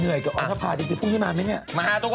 เหนื่อยกับออนภารจริงพรุ่งที่มาไหม